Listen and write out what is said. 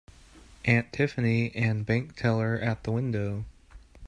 Aunt Tiffany and bank teller at the window.